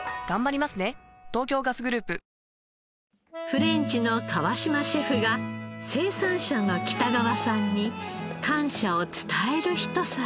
フレンチの川島シェフが生産者の北川さんに感謝を伝えるひと皿。